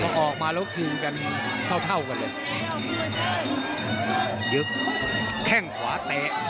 พอออกมาแล้วคืนกันเท่าเท่ากันเลยยึดแข้งขวาเตะ